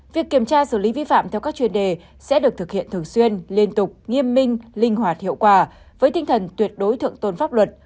việc kiểm tra xử lý vi phạm theo các chuyên đề sẽ được thực hiện thường xuyên liên tục nghiêm minh linh hoạt hiệu quả với tinh thần tuyệt đối thượng tôn pháp luật